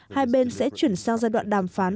hai bên sẽ chuyển sang giai đoạn đàm phán